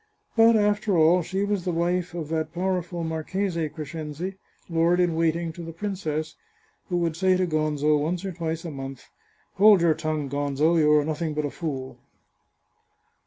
But, after all, she was the wife of that powerful Marchese Crescenzi, lord in waiting to the prin cess, who would say to Gonzo once or twice a month, " Hold your tongue, Gonzo, you are nothing but a fool."